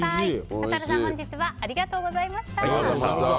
笠原さん、本日はありがとうございました。